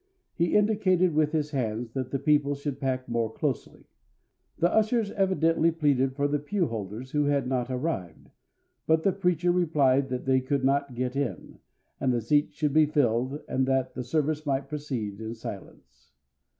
He indicated with his hands that the people should pack more closely. The ushers evidently pleaded for the pew holders who had not arrived; but the preacher replied that they could not get in, and the seats should be filled that the service might proceed in silence.